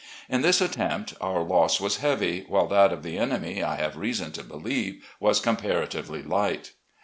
In this attempt our loss was heavy, while that of the enemy, I have reason to believe, was comparatively light."